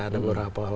ada beberapa hal